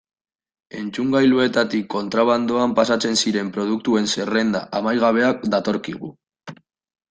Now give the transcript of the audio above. Entzungailuetatik kontrabandoan pasatzen ziren produktuen zerrenda amaigabea datorkigu.